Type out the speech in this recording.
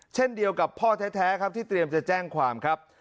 เช่นเดียวกับพ่อแท้ครับที่เตรียมจะแจ้งความครับ